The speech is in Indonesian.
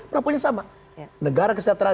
pelabunnya sama negara kesejahteraan